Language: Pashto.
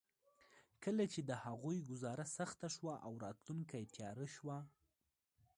کله چې د هغوی ګوزاره سخته شوه او راتلونکې تياره شوه.